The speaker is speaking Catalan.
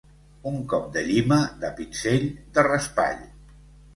Un cop de llima, de pinzell, de raspall.